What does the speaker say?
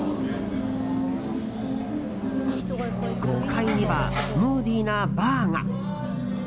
５階にはムーディーなバーが。